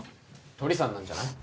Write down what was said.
トリさんなんじゃない？